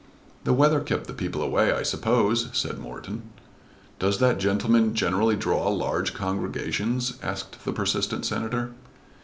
"The weather kept the people away I suppose," said Morton. "Does that gentleman generally draw large congregations?" asked the persistent Senator.